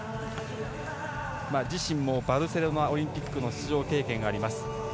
自身もバルセロナオリンピックの出場経験があります。